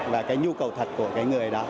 và cái nhu cầu thật của cái người đó